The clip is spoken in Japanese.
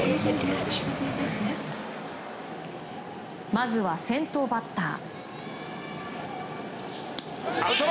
まずは、先頭バッター。